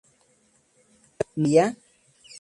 ¿no bebería?